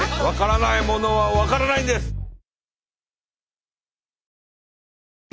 分からないものは分からないんです。